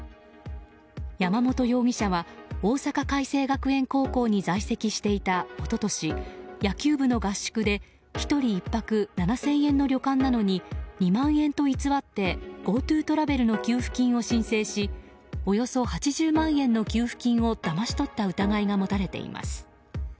山本容疑者は大阪偕星学園高校に在籍していた一昨年野球部の合宿で１人１泊７０００円の旅館なのに２万円と偽ってＧｏＴｏトラベルの給付金を申請しおよそ８０万円の給付金をだまし取った疑いが持たれています。